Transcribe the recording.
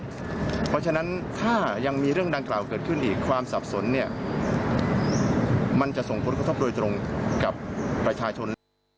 เพราะฉะนั้นถ้ายังมีเรื่องดังกล่าวเกิดขึ้นอีกความสับสนเนี่ยมันจะส่งผลกระทบโดยตรงกับประชาชน